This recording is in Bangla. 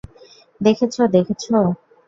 দেখেছো, দেখেছো?